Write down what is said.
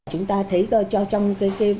chúng ta thấy cho trong cái ban lãnh đạo